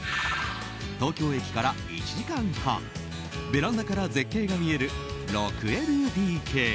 東京駅から１時間半ベランダから絶景が見える６ＬＤＫ。